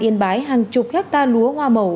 yên bái hàng chục hecta lúa hoa màu